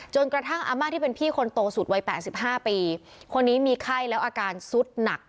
กระทั่งอาม่าที่เป็นพี่คนโตสุดวัย๘๕ปีคนนี้มีไข้แล้วอาการสุดหนัก